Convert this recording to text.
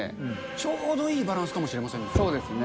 ちょうどいいバランスかもしそうですね。